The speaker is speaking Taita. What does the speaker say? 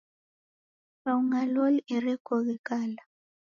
Kaung'a loli erekoghe kala